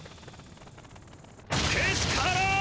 けしからん！